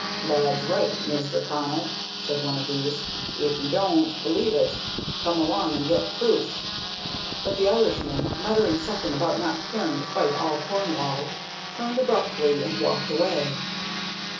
"Lad's right, Maister Connell," said one of these. "If 'ee doan't believe it, come along and get proof." But the Irishman, muttering something about not caring to fight all Cornwall, turned abruptly and walked away.